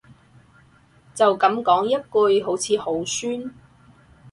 就噉講一句好似好酸